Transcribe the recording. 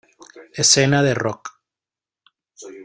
Escena de rock.